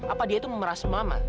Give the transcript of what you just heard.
apa dia itu merasa mama